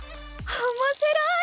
おもしろい！